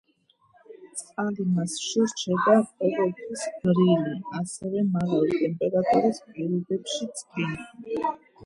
წყალი მასში რჩება ყოველთვის გრილი, ასევე მაღალი ტემპერატურის პირობებშიც კი.